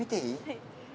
はい。